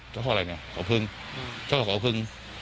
เจ้าพ่ออะไรเนี่ยเกาะพึงเจ้าเกาะพึง